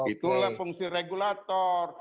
itulah fungsi regulator